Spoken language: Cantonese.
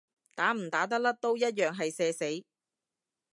打唔打得甩都一樣係社死